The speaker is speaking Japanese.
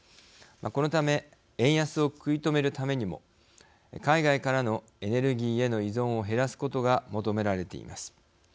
このため円安を食い止めるためにも海外からのエネルギーへの依存を減らすことが求められています。